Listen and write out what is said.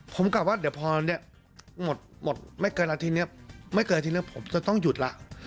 ผมกลับว่าเดี๋ยวพอเนี่ยหมดไม่เกินอาทิตย์นี้ไม่เกินอาทิตย์แล้วผมจะต้องหยุดแล้ว